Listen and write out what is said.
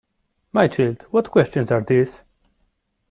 My child, what questions are these!